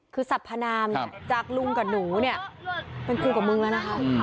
คือสรรพนามจากลุงกับหนูเนี่ยเป็นกูกับมึงแล้วนะคะ